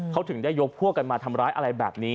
เขาถึงได้ยกพวกกันมาทำร้ายอะไรแบบนี้